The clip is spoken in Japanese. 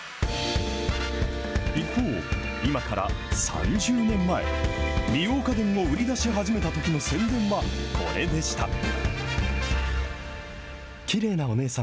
一方、今から３０年前、美容家電を売り出し始めたときの宣伝はこれでした。